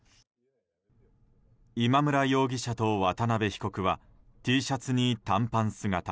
今村容疑者と渡邉被告はＴシャツに短パン姿。